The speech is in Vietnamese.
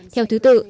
theo thứ tự